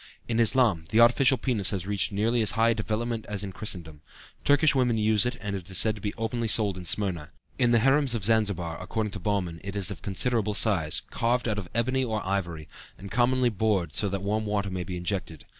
In Islam the artificial penis has reached nearly as high a development as in Christendom. Turkish women use it and it is said to be openly sold in Smyrna. In the harems of Zanzibar, according to Baumann, it is of considerable size, carved out of ebony or ivory, and commonly bored through so that warm water may be injected.